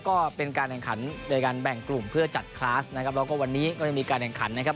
ก็เป็นการแข่งขันโดยการแบ่งกลุ่มเพื่อจัดคลาสนะครับแล้วก็วันนี้ก็จะมีการแข่งขันนะครับ